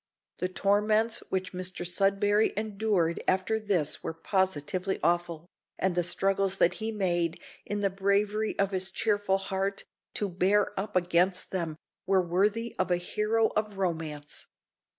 The torments which Mr Sudberry endured after this were positively awful, and the struggles that he made, in the bravery of his cheerful heart, to bear up against them, were worthy of a hero of romance.